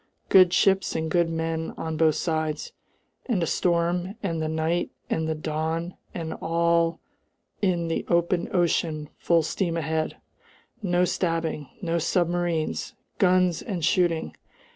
Good ships and good men on both sides, and a storm and the night and the dawn and all in the open ocean full steam ahead! No stabbing! No submarines! Guns and shooting!